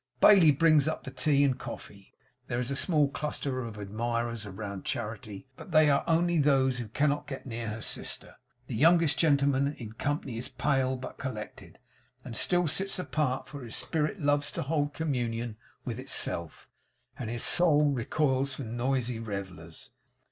Bailey brings up the tea and coffee. There is a small cluster of admirers round Charity; but they are only those who cannot get near her sister. The youngest gentleman in company is pale, but collected, and still sits apart; for his spirit loves to hold communion with itself, and his soul recoils from noisy revellers.